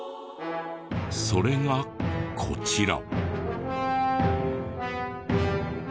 それがこちら。